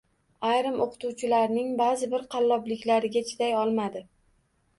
Ayrim o‘qituvchilarning ba’zi bir qallobliklariga chiday olmadi.